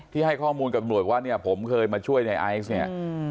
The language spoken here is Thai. ให้ข้อมูลกับหน่วยว่าเนี่ยผมเคยมาช่วยในไอซ์เนี่ย